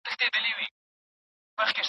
د سهار لخوا غاښونه پاکول ګټه لري.